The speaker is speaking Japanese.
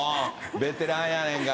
ベテランやねんから。